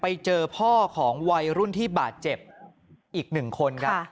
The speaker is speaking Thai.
ไปเจอพ่อของวัยรุ่นที่บาดเจ็บอีกหนึ่งคนครับ